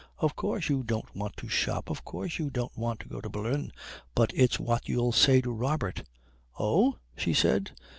Of course you don't want to shop. Of course you don't want to go to Berlin. But it's what you'll say to Robert." "Oh?" she said.